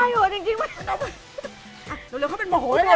นี่เขาถูกลิมโหมดแล้ว